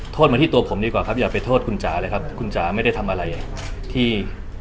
โทษมาที่ตัวผมดีกว่าครับอย่าไปโทษคุณจ๋าเลยครับคุณจ๋าไม่ได้ทำอะไรที่